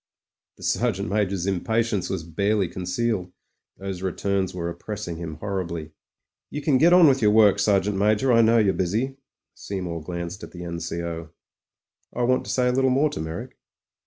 The Sergeant Major's impatience was barely con cealed; those returns were oppressing him horribly. "You can get on with your work, Sergeant Major. I know you're busy." Seymour glanced at the N.C.O. "I want to say a little more to Meyrick."